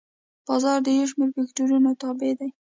بازار د یو شمېر فکتورونو تابع دی.